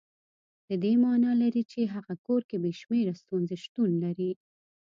د دې معنا لري چې هغه کور کې بې شمېره ستونزې شتون لري.